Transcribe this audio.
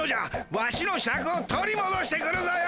ワシのシャクを取りもどしてくるぞよ！